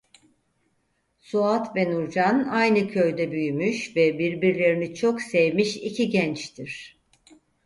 Suat ve Nurcan aynı köyde büyümüş ve birbirlerini çok sevmiş iki gençtir.